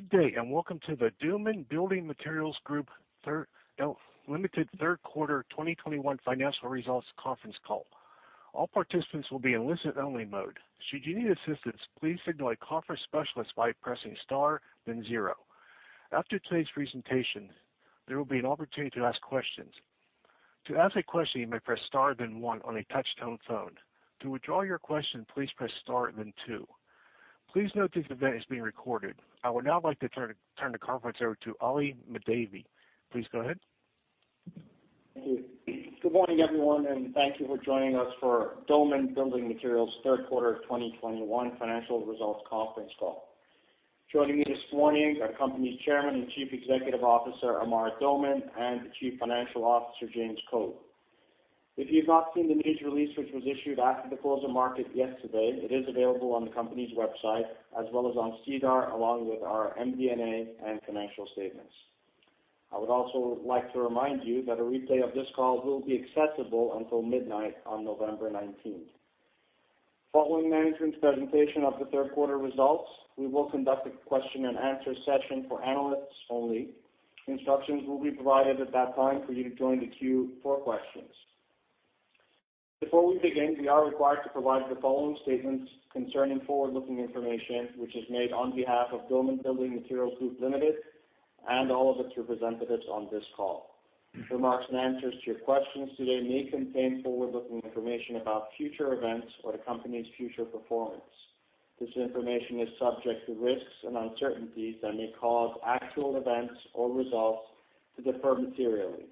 Good day, and welcome to the Doman Building Materials Group Ltd. Third Quarter 2021 Financial Results Conference Call. All participants will be in listen-only mode. Should you need assistance, please signal a conference specialist by pressing star then zero. After today's presentation, there will be an opportunity to ask questions. To ask a question, you may press star then one on a touch-tone phone. To withdraw your question, please press star then two. Please note this event is being recorded. I would now like to turn the conference over to Ali Mahdavi. Please go ahead. Thank you. Good morning, everyone, and thank you for joining us for Doman Building Materials Third Quarter 2021 Financial Results Conference Call. Joining me this morning are company Chairman and Chief Executive Officer, Amar Doman, and the Chief Financial Officer, James Code. If you've not seen the news release, which was issued after the close of market yesterday, it is available on the company's website as well as on SEDAR, along with our MD&A and financial statements. I would also like to remind you that a replay of this call will be accessible until midnight on November 19th. Following management's presentation of the third quarter results, we will conduct a question-and-answer session for analysts only. Instructions will be provided at that time for you to join the queue for questions. Before we begin, we are required to provide the following statements concerning forward-looking information, which is made on behalf of Doman Building Materials Group Ltd. and all of its representatives on this call. Remarks and answers to your questions today may contain forward-looking information about future events or the company's future performance. This information is subject to risks and uncertainties that may cause actual events or results to differ materially.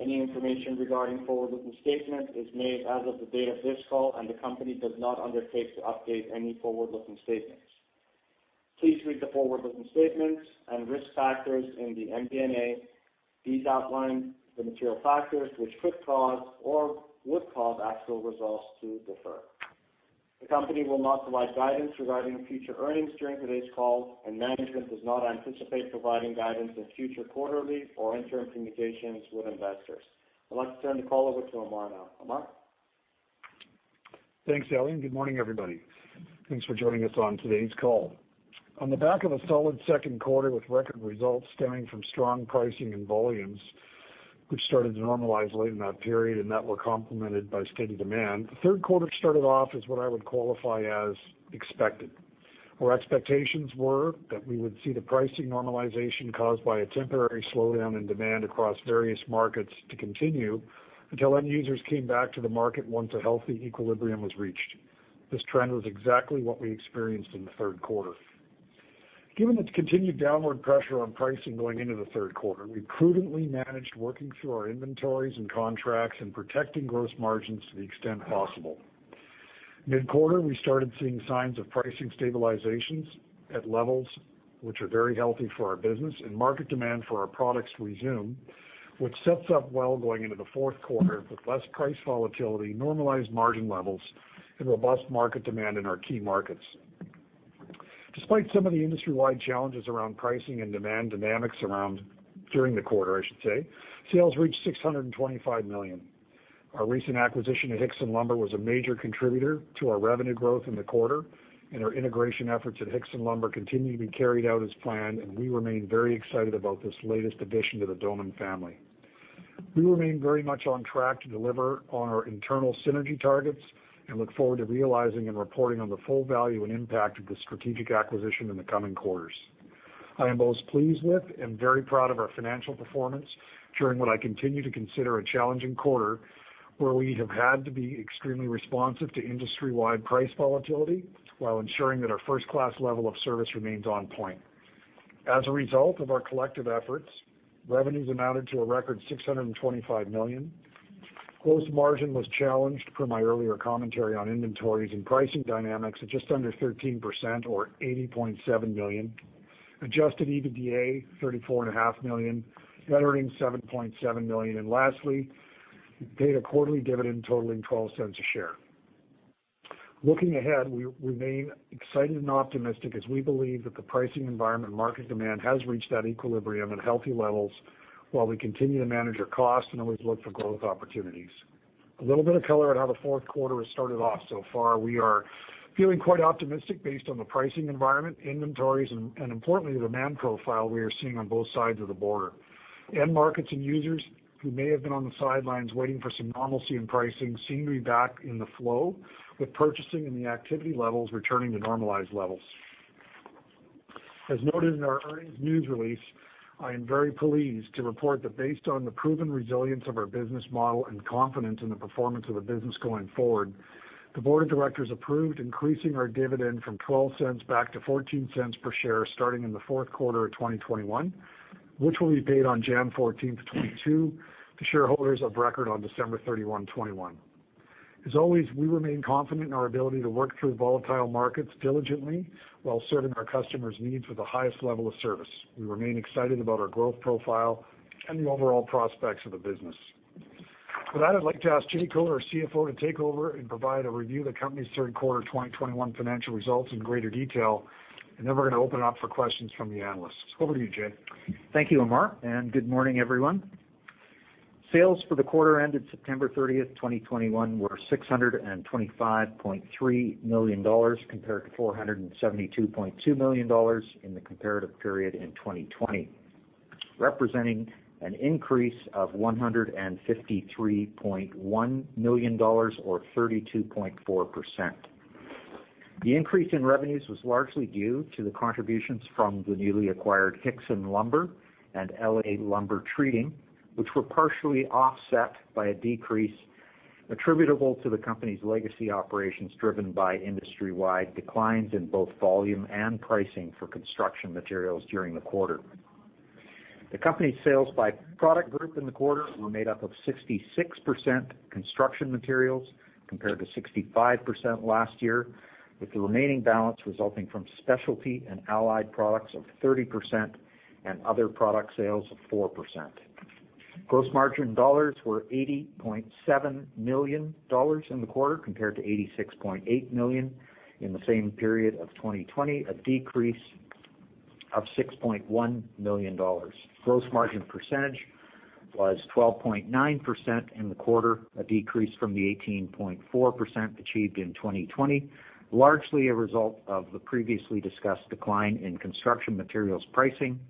Any information regarding forward-looking statements is made as of the date of this call, and the company does not undertake to update any forward-looking statements. Please read the forward-looking statements and risk factors in the MD&A. These outline the material factors which could cause or would cause actual results to differ. The company will not provide guidance regarding future earnings during today's call, and management does not anticipate providing guidance in future quarterly or interim communications with investors. I'd like to turn the call over to Amar now. Amar? Thanks, Ali, and good morning, everybody. Thanks for joining us on today's call. On the back of a solid second quarter with record results stemming from strong pricing and volumes, which started to normalize late in that period and that were complemented by steady demand, the third quarter started off as what I would qualify as expected. Our expectations were that we would see the pricing normalization caused by a temporary slowdown in demand across various markets to continue until end users came back to the market once a healthy equilibrium was reached. This trend was exactly what we experienced in the third quarter. Given the continued downward pressure on pricing going into the third quarter, we prudently managed working through our inventories and contracts and protecting gross margins to the extent possible. Mid-quarter, we started seeing signs of pricing stabilizations at levels which are very healthy for our business and market demand for our products to resume, which sets up well going into the fourth quarter with less price volatility, normalized margin levels, and robust market demand in our key markets. Despite some of the industry-wide challenges around pricing and demand dynamics during the quarter, I should say, sales reached 625 million. Our recent acquisition at Hixson Lumber was a major contributor to our revenue growth in the quarter, and our integration efforts at Hixson Lumber continue to be carried out as planned, and we remain very excited about this latest addition to the Doman family. We remain very much on track to deliver on our internal synergy targets and look forward to realizing and reporting on the full value and impact of this strategic acquisition in the coming quarters. I am both pleased with and very proud of our financial performance during what I continue to consider a challenging quarter, where we have had to be extremely responsive to industry-wide price volatility while ensuring that our first-class level of service remains on point. As a result of our collective efforts, revenues amounted to a record 625 million. Gross margin was challenged, per my earlier commentary on inventories and pricing dynamics at just under 13% or 80.7 million. Adjusted EBITDA, 34.5 million, net earnings 7.7 million, and lastly, paid a quarterly dividend totaling 0.12 a share. Looking ahead, we remain excited and optimistic as we believe that the pricing environment and market demand has reached that equilibrium at healthy levels while we continue to manage our costs and always look for growth opportunities. A little bit of color on how the fourth quarter has started off so far. We are feeling quite optimistic based on the pricing environment, inventories, and importantly, the demand profile we are seeing on both sides of the border. End markets and users who may have been on the sidelines waiting for some normalcy in pricing seem to be back in the flow with purchasing and the activity levels returning to normalized levels. As noted in our earnings news release, I am very pleased to report that based on the proven resilience of our business model and confidence in the performance of the business going forward, the board of directors approved increasing our dividend from 0.12 back to 0.14 per share starting in the fourth quarter of 2021, which will be paid on January 14, 2022 to shareholders of record on December 31, 2021. As always, we remain confident in our ability to work through volatile markets diligently while serving our customers' needs with the highest level of service. We remain excited about our growth profile and the overall prospects of the business. With that, I'd like to ask Jay Code, our CFO, to take over and provide a review of the company's third quarter 2021 financial results in greater detail. We're gonna open it up for questions from the analysts. Over to you, Jay. Thank you, Amar, and good morning, everyone. Sales for the quarter ended September 30, 2021 were 625.3 million dollars compared to 472.2 million dollars in the comparative period in 2020, representing an increase of 153.1 million dollars or 32.4%. The increase in revenues was largely due to the contributions from the newly acquired Hixson Lumber and LA Lumber Treating, which were partially offset by a decrease attributable to the company's legacy operations, driven by industry-wide declines in both volume and pricing for construction materials during the quarter. The company's sales by product group in the quarter were made up of 66% construction materials compared to 65% last year, with the remaining balance resulting from specialty and allied products of 30% and other product sales of 4%. Gross margin dollars were 80.7 million dollars in the quarter compared to 86.8 million dollars in the same period of 2020, a decrease of 6.1 million dollars. Gross margin percentage was 12.9% in the quarter, a decrease from the 18.4% achieved in 2020, largely a result of the previously discussed decline in construction materials pricing,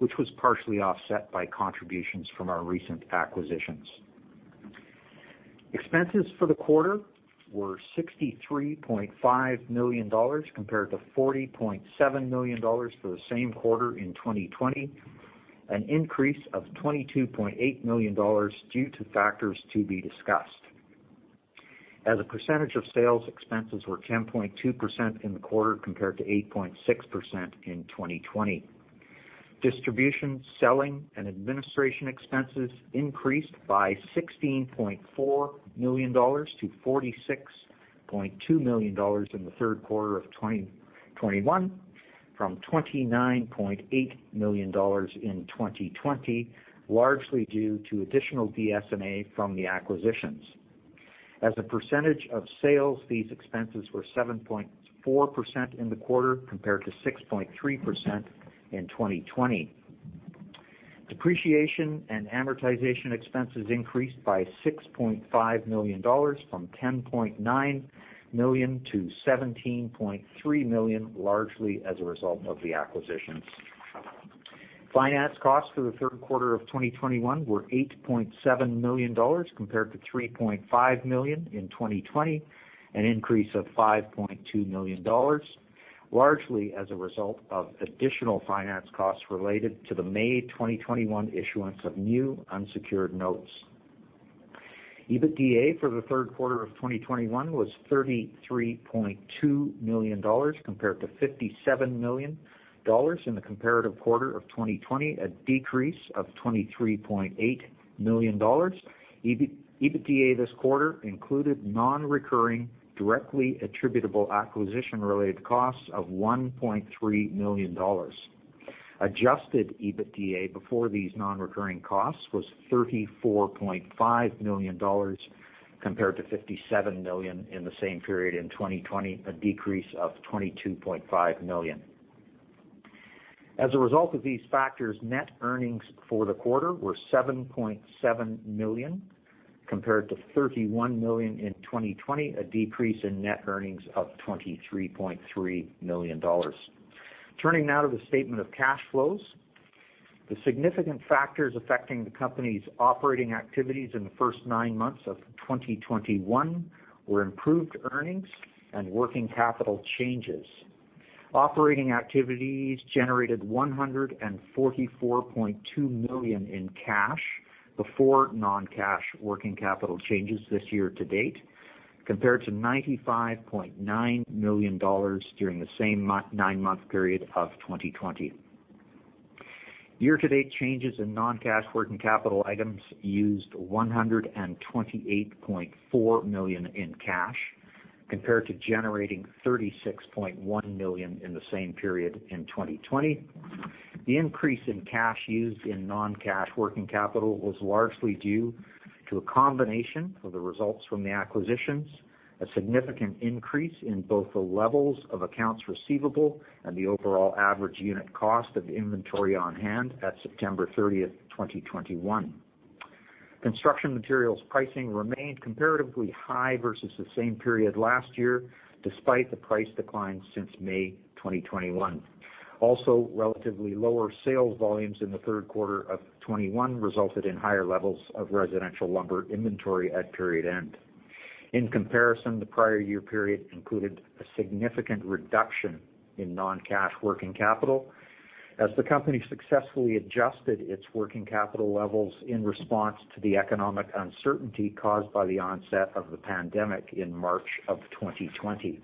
which was partially offset by contributions from our recent acquisitions. Expenses for the quarter were 63.5 million dollars compared to 40.7 million dollars for the same quarter in 2020, an increase of 22.8 million dollars due to factors to be discussed. As a percentage of sales, expenses were 10.2% in the quarter compared to 8.6% in 2020. Distribution, selling and administration expenses increased by 16.4 million dollars -46.2 million dollars in the third quarter of 2021 from 29.8 million dollars in 2020, largely due to additional DS&A from the acquisitions. As a percentage of sales, these expenses were 7.4% in the quarter compared to 6.3% in 2020. Depreciation and amortization expenses increased by 6.5 million dollars from 10.9 million -17.3 million, largely as a result of the acquisitions. Finance costs for the third quarter of 2021 were 8.7 million dollars compared to 3.5 million in 2020, an increase of 5.2 million dollars, largely as a result of additional finance costs related to the May 2021 issuance of new unsecured notes. EBITDA for the third quarter of 2021 was 33.2 million dollars compared to 57 million dollars in the comparative quarter of 2020, a decrease of 23.8 million dollars. EBITDA this quarter included non-recurring, directly attributable acquisition-related costs of 1.3 million dollars. Adjusted EBITDA before these non-recurring costs was 34.5 million dollars compared to 57 million in the same period in 2020, a decrease of 22.5 million. As a result of these factors, net earnings for the quarter were 7.7 million compared to 31 million in 2020, a decrease in net earnings of 23.3 million dollars. Turning now to the statement of cash flows. The significant factors affecting the company's operating activities in the first nine months of 2021 were improved earnings and working capital changes. Operating activities generated 144.2 million in cash before non-cash working capital changes this year to date, compared to 95.9 million dollars during the same nine-month period of 2020. Year-to-date changes in non-cash working capital items used 128.4 million in cash compared to generating 36.1 million in the same period in 2020. The increase in cash used in non-cash working capital was largely due to a combination of the results from the acquisitions, a significant increase in both the levels of accounts receivable and the overall average unit cost of inventory on hand at September 30, 2021. Construction materials pricing remained comparatively high versus the same period last year, despite the price decline since May 2021. Relatively lower sales volumes in the third quarter of 2021 resulted in higher levels of residential lumber inventory at period end. In comparison, the prior year period included a significant reduction in non-cash working capital as the company successfully adjusted its working capital levels in response to the economic uncertainty caused by the onset of the pandemic in March of 2020.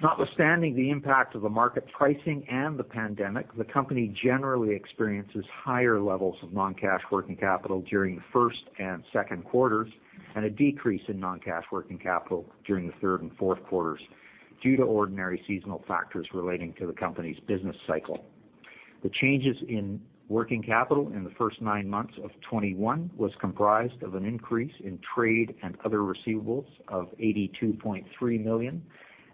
Notwithstanding the impact of the market pricing and the pandemic, the company generally experiences higher levels of non-cash working capital during the first and second quarters, and a decrease in non-cash working capital during the third and fourth quarters due to ordinary seasonal factors relating to the company's business cycle. The changes in working capital in the first nine months of 2021 was comprised of an increase in trade and other receivables of 82.3 million,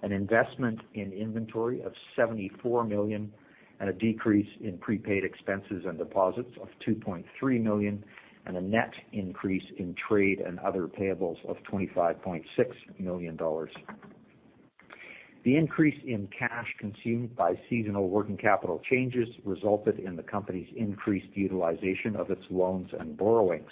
an investment in inventory of 74 million and a decrease in prepaid expenses and deposits of 2.3 million and a net increase in trade and other payables of 25.6 million dollars. The increase in cash consumed by seasonal working capital changes resulted in the company's increased utilization of its loans and borrowings.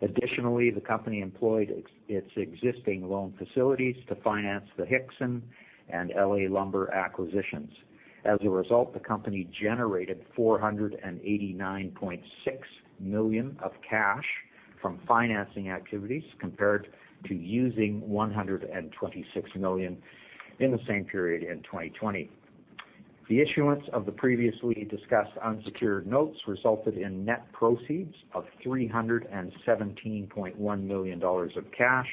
Additionally, the company employed its existing loan facilities to finance the Hixson and LA Lumber acquisitions. As a result, the company generated 489.6 million of cash from financing activities compared to using 126 million in the same period in 2020. The issuance of the previously discussed unsecured notes resulted in net proceeds of 317.1 million dollars of cash,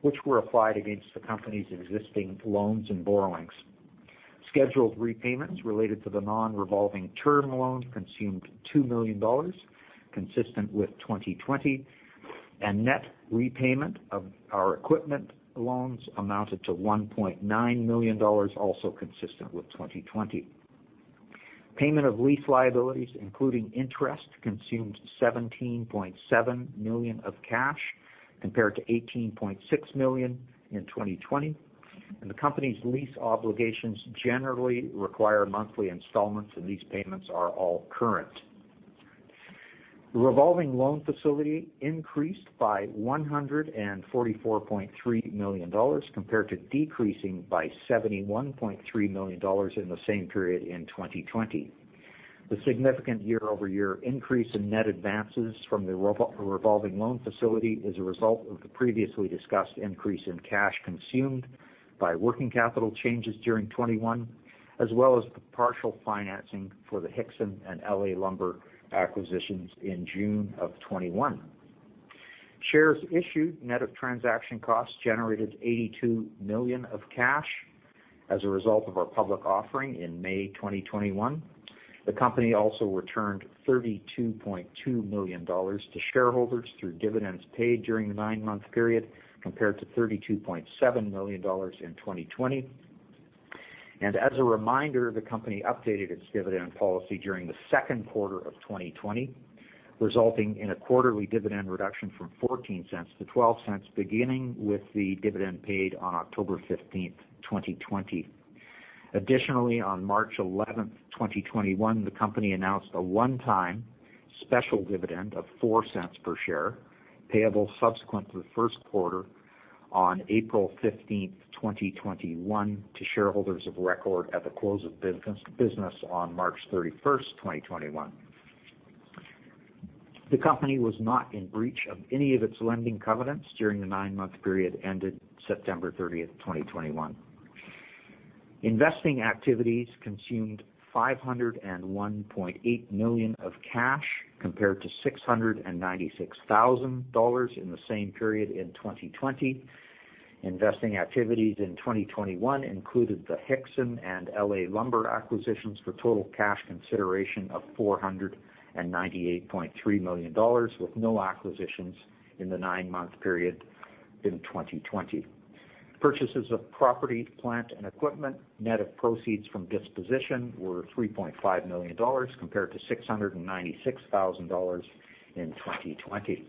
which were applied against the company's existing loans and borrowings. Scheduled repayments related to the non-revolving term loan consumed 2 million dollars, consistent with 2020, and net repayment of our equipment loans amounted to 1.9 million dollars, also consistent with 2020. Payment of lease liabilities, including interest, consumed 17.7 million of cash compared to 18.6 million in 2020. The company's lease obligations generally require monthly installments, and these payments are all current. The revolving loan facility increased by 144.3 million dollars compared to decreasing by 71.3 million dollars in the same period in 2020. The significant year-over-year increase in net advances from the revolving loan facility is a result of the previously discussed increase in cash consumed by working capital changes during 2021, as well as the partial financing for the Hixson and LA Lumber acquisitions in June 2021. Shares issued net of transaction costs generated 82 million of cash as a result of our public offering in May 2021. The company also returned 32.2 million dollars to shareholders through dividends paid during the nine-month period, compared to 32.7 million dollars in 2020. As a reminder, the company updated its dividend policy during the second quarter of 2020, resulting in a quarterly dividend reduction from 0.14 cent -0.12 cent, beginning with the dividend paid on October 15th, 2020. Additionally, on March 11th, 2021, the company announced a one-time special dividend of 0.04 per share, payable subsequent to the first quarter on April 15th, 2021 to shareholders of record at the close of business on March 31st, 2021. The company was not in breach of any of its lending covenants during the nine-month period ended September 30th, 2021. Investing activities consumed 501.8 million of cash compared to 696 thousand dollars in the same period in 2020. Investing activities in 2021 included the Hixson and LA Lumber acquisitions for total cash consideration of 498.3 million dollars, with no acquisitions in the nine-month period in 2020. Purchases of property, plant and equipment, net of proceeds from disposition were 3.5 million dollars compared to 696 thousand dollars in 2020.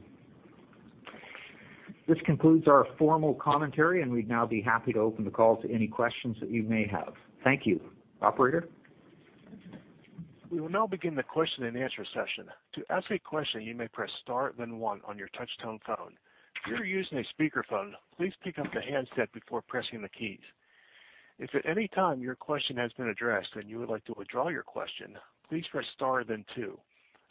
This concludes our formal commentary, and we'd now be happy to open the call to any questions that you may have. Thank you. Operator? We will now begin the question-and-answer session. To ask a question, you may press star, then one on your touchtone phone. If you are using a speakerphone, please pick up the handset before pressing the keys. If at any time your question has been addressed and you would like to withdraw your question, please press star then two.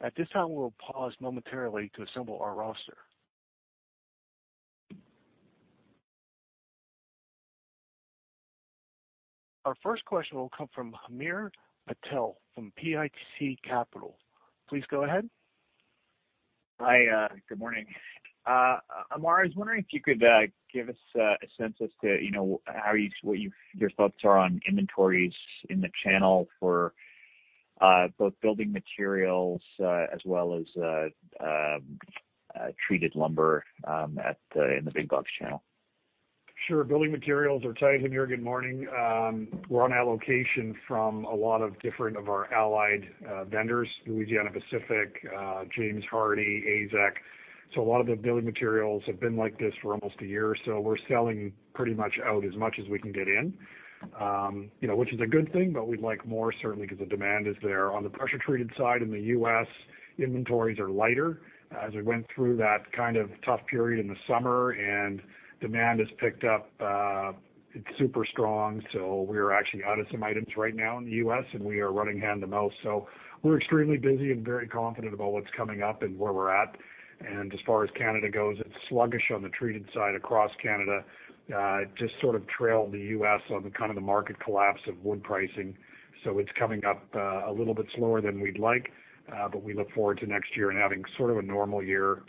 At this time, we will pause momentarily to assemble our roster. Our first question will come from Hamir Patel from CIBC Capital Markets. Please go ahead. Hi, good morning. Amar, I was wondering if you could give us a sense as to, you know, what your thoughts are on inventories in the channel for both building materials as well as treated lumber in the big box channel. Sure. Building materials are tight, Hamir. Good morning. We're on allocation from a lot of our different allied vendors, Louisiana-Pacific, James Hardie, AZEK. A lot of the building materials have been like this for almost a year. We're selling pretty much out as much as we can get in, you know, which is a good thing, but we'd like more, certainly because the demand is there. On the pressure treated side in the U.S., inventories are lighter as we went through that kind of tough period in the summer and demand has picked up, it's super strong. We are actually out of some items right now in the U.S., and we are running hand to mouth. We're extremely busy and very confident about what's coming up and where we're at. As far as Canada goes, it's sluggish on the treated side across Canada, just sort of trailed the U.S. on the kind of the market collapse of wood pricing. It's coming up a little bit slower than we'd like, but we look forward to next year and having sort of a normal year,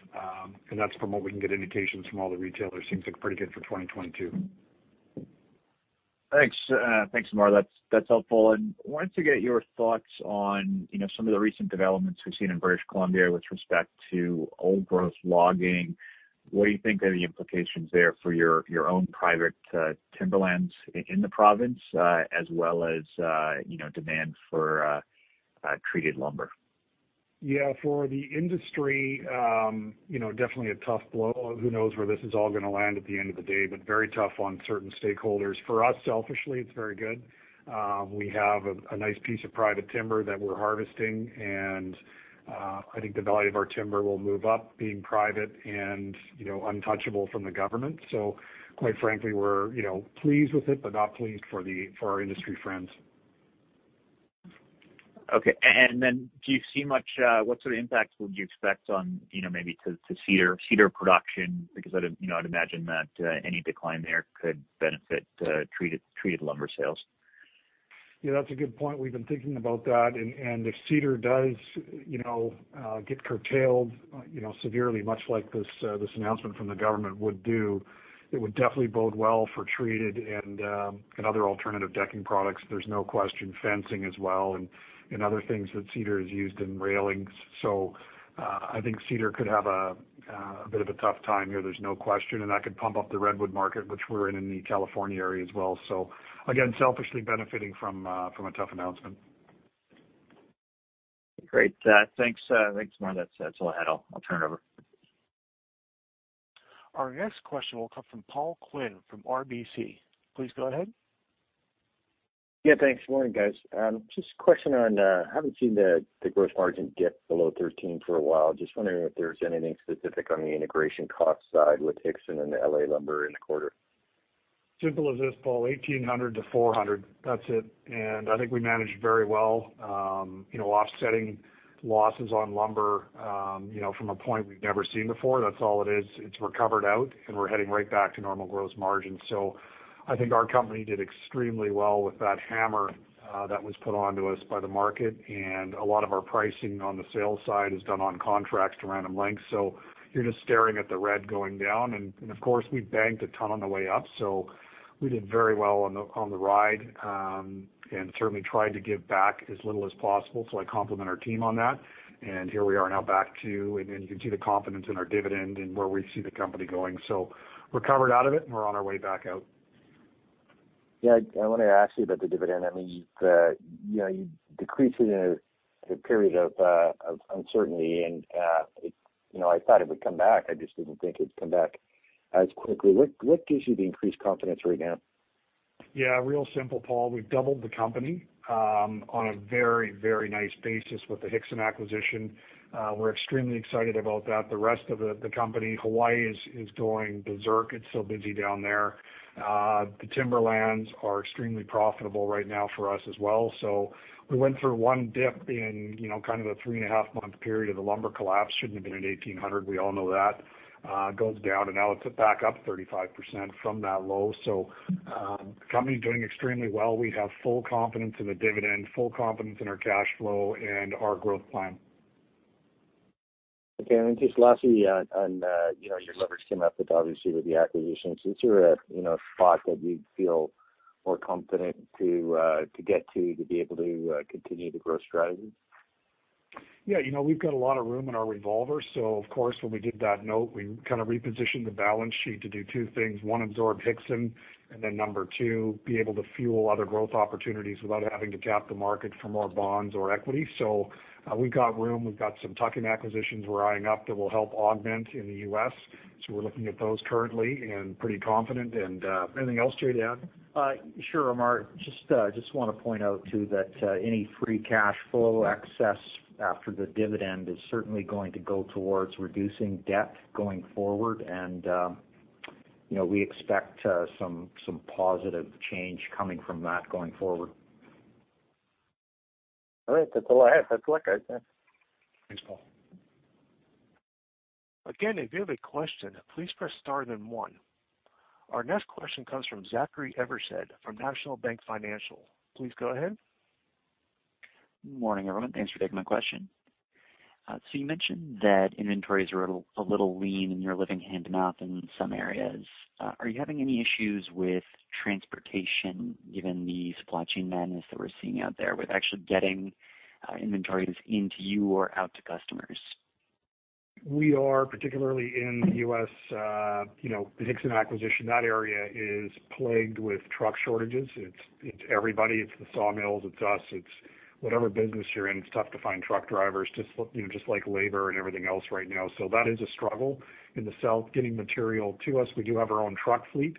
and that's from what we can get indications from all the retailers. It seems like pretty good for 2022. Thanks. Thanks, Amar. That's helpful. I wanted to get your thoughts on, you know, some of the recent developments we've seen in British Columbia with respect to old growth logging. What do you think are the implications there for your own private timberlands in the province, as well as, you know, demand for treated lumber? Yeah, for the industry, you know, definitely a tough blow. Who knows where this is all gonna land at the end of the day, but very tough on certain stakeholders. For us, selfishly, it's very good. We have a nice piece of private timber that we're harvesting and I think the value of our timber will move up being private and, you know, untouchable from the government. Quite frankly, we're, you know, pleased with it, but not pleased for our industry friends. Do you see much, what sort of impacts would you expect on, you know, maybe to cedar production? Because I'd, you know, I'd imagine that any decline there could benefit treated lumber sales. Yeah, that's a good point. We've been thinking about that. If cedar does, you know, get curtailed, you know, severely much like this announcement from the government would do, it would definitely bode well for treated and other alternative decking products. There's no question. Fencing as well and other things that cedar is used in railings. I think cedar could have a bit of a tough time here. There's no question. That could pump up the redwood market, which we're in the California area as well. Again, selfishly benefiting from a tough announcement. Great. Thanks. Thanks, Amar. That's all I had. I'll turn it over. Our next question will come from Paul Quinn from RBC. Please go ahead. Yeah, thanks. Morning, guys. Just a question on haven't seen the gross margin dip below 13% for a while. Just wondering if there's anything specific on the integration cost side with Hixson and the LA Lumber in the quarter. Simple as this, Paul. $1800-$400. That's it. I think we managed very well, you know, offsetting losses on lumber, you know, from a point we've never seen before. That's all it is. It's recovered out, and we're heading right back to normal gross margins. I think our company did extremely well with that hammer, that was put onto us by the market. A lot of our pricing on the sales side is done on contracts to Random Lengths. You're just staring at the red going down. Of course, we banked a ton on the way up, so we did very well on the ride, and certainly tried to give back as little as possible. I compliment our team on that. Here we are now back to, and you can see the confidence in our dividend and where we see the company going. We're recovered out of it, and we're on our way back out. Yeah. I wanna ask you about the dividend. I mean, you've, you know, you decreased it in a period of uncertainty and it. You know, I thought it would come back. I just didn't think it'd come back as quickly. What gives you the increased confidence right now? Yeah. Real simple, Paul. We've doubled the company on a very, very nice basis with the Hixson acquisition. We're extremely excited about that. The rest of the company, Hixson is going berserk. It's so busy down there. The timberlands are extremely profitable right now for us as well. We went through one dip in, you know, kind of a 3.5-month period of the lumber collapse. Shouldn't have been at 1,800, we all know that. It goes down, and now it's back up 35% from that low. Company doing extremely well. We have full confidence in the dividend, full confidence in our cash flow and our growth plan. Okay. Just lastly on you know, your leverage came up with, obviously, with the acquisitions. Is there a you know, spot that you feel more confident to get to be able to continue the growth strategy? Yeah. You know, we've got a lot of room in our revolver. Of course, when we did that note, we kind of repositioned the balance sheet to do two things. One, absorb Hixson, and then number two, be able to fuel other growth opportunities without having to tap the market for more bonds or equity. We've got room. We've got some tuck-in acquisitions we're eyeing up that will help augment in the U.S., so we're looking at those currently and pretty confident. Anything else, Jay, to add? Sure, Amar. Just wanna point out too that any free cash flow excess after the dividend is certainly going to go towards reducing debt going forward. You know, we expect some positive change coming from that going forward. All right. That's all I have. That's luck, I'd say. Thanks, Paul. Again, if you have a question, please press star then one. Our next question comes from Zachary Evershed from National Bank Financial. Please go ahead. Morning, everyone. Thanks for taking my question. You mentioned that inventories are a little lean and you're living hand-to-mouth in some areas. Are you having any issues with transportation, given the supply chain madness that we're seeing out there, with actually getting inventories into you or out to customers? We are particularly in the U.S., you know, the Hixson acquisition. That area is plagued with truck shortages. It's everybody. It's the sawmills. It's us. It's whatever business you're in, it's tough to find truck drivers just, you know, just like labor and everything else right now. That is a struggle in the South, getting material to us. We do have our own truck fleet.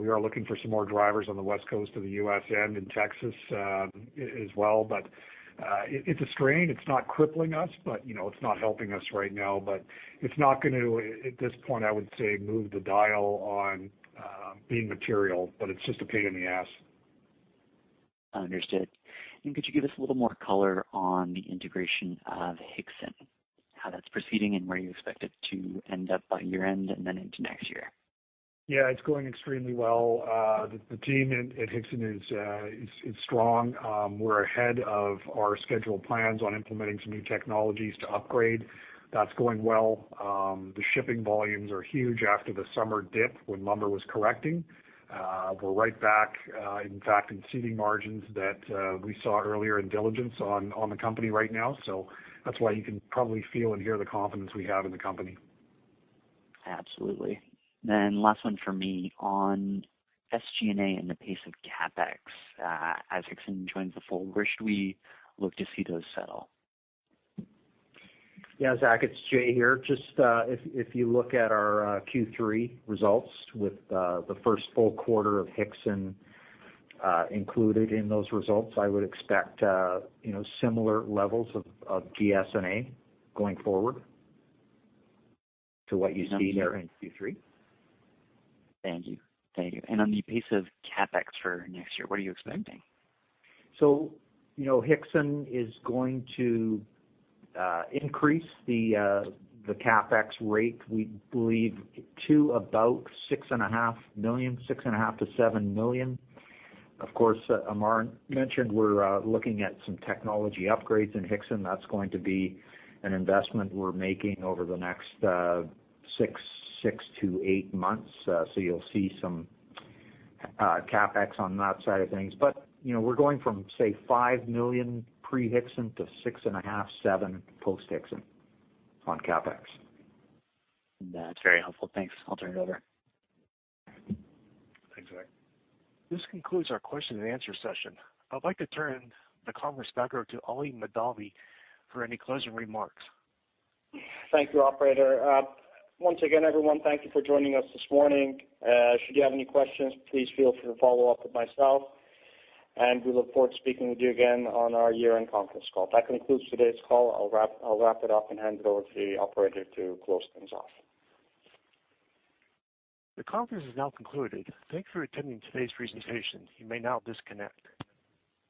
We are looking for some more drivers on the West Coast of the U.S. and in Texas, as well. It's a strain. It's not crippling us, but, you know, it's not helping us right now. It's not gonna, at this point, I would say, move the dial on being material, but it's just a pain in the ass. Understood. Could you give us a little more color on the integration of Hixson, how that's proceeding, and where you expect it to end up by year-end and then into next year? Yeah. It's going extremely well. The team at Hixson is strong. We're ahead of our scheduled plans on implementing some new technologies to upgrade. That's going well. The shipping volumes are huge after the summer dip when lumber was correcting. We're right back, in fact, exceeding margins that we saw earlier in diligence on the company right now. That's why you can probably feel and hear the confidence we have in the company. Absolutely. Last one for me on SG&A and the pace of CapEx, as Hixson joins the fold, where should we look to see those settle? Yeah, Zach, it's Jay here. Just, if you look at our Q3 results with the first full quarter of Hixson included in those results, I would expect, you know, similar levels of SG&A going forward to what you see there in Q3. Thank you. On the pace of CapEx for next year, what are you expecting? You know, Hixson is going to increase the CapEx rate, we believe to about 6.5 million, 6.5-7 million. Of course, Amar mentioned we're looking at some technology upgrades in Hixson. That's going to be an investment we're making over the next six-8 months. You'll see some CapEx on that side of things. You know, we're going from, say, 5 million pre-Hixson to 6.5-7 post-Hixson on CapEx. That's very helpful. Thanks. I'll turn it over. Thanks, Zach. This concludes our question and answer session. I'd like to turn the conference back over to Ali Mahdavi for any closing remarks. Thank you, operator. Once again, everyone, thank you for joining us this morning. Should you have any questions, please feel free to follow up with myself, and we look forward to speaking with you again on our year-end conference call. That concludes today's call. I'll wrap it up and hand it over to the operator to close things off. The conference is now concluded. Thank you for attending today's presentation. You may now disconnect.